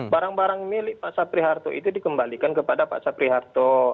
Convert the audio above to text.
barang barang milik pak sapri harto itu dikembalikan kepada pak sapri harto